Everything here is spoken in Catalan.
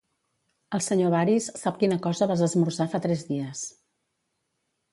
El senyor Varys sap quina cosa vas esmorzar fa tres dies.